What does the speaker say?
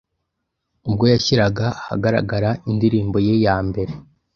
ubwo yashyiraga ahagaragara indirimbo ye yambere